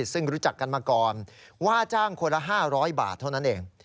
ซึ่งรู้จักกันมาก่อนว่าจ้างคนละ๕๐๐บาทเท่านั้นเอง